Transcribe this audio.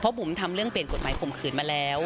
เพราะผมทำเรื่องเปลี่ยนกฎหมายของผมกื่นมาแล้ว